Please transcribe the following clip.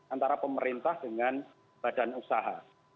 antara pemerintah dengan badan usaha